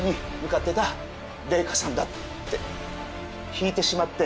ひいてしまって。